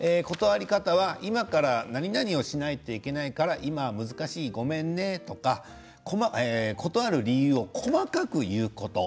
今からなになにをしなければいけないから難しいごめんねとか断る理由を細かく言うこと。